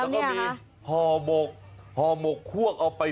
นี่ไงแล้วก็มีห่อมกครวกเอาไป